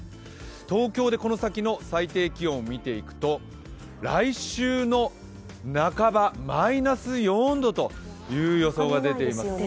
東京でこの先の最低気温見ていきますと来週の半ば、マイナス４度という予想が出ています。